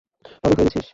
পাগল হয়ে গেছিস?